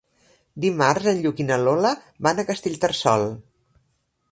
Dimarts en Lluc i na Lola van a Castellterçol.